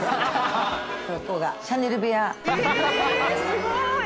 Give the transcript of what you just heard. すごい！